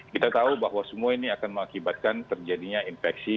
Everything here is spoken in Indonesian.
kita tahu bahwa semua ini akan mengakibatkan terjadinya infeksi